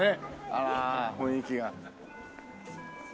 あら雰囲気が。